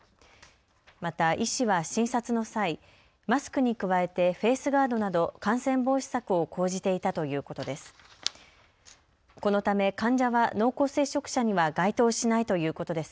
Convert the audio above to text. また、医師は診察の際、マスクに加えてフェースガードなど感染防止策を講じていたということです。